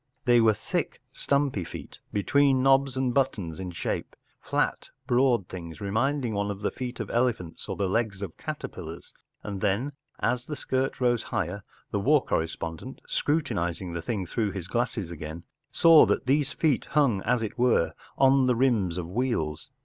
They were thick, stumpy feet, between knobs and buttons in shape—flat, broad tilings, remind¬ ing one of the feet of elephants or the legs of caterpillars; and then, as the skirt rose higher, the war correspondent, scrutinizing the thing through his glasses again, saw that these feet hung, as it were, on the rims of wheels.